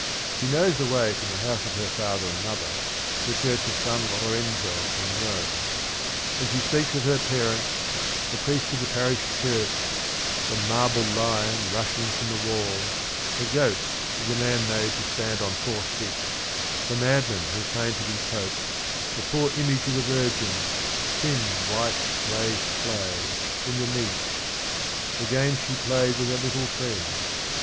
She knows the way from the house of her father and mother to the church of San Lorenzo in Rome, and she speaks of her parents, the priest of the parish church, the "marble lion rushing from the wall," the goat that the man made to stand on four sticks, the madman who claimed to be Pope, the poor image of the Virgin, " thin white glazed clay," in the niche; the games she played with her little friend.